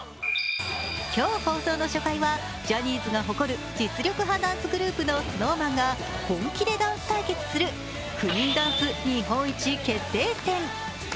今日放送の初回はジャニーズが誇る実力派ダンスグループのＳｎｏｗＭａｎが本気でダンス対決する９人ダンス日本一決定戦。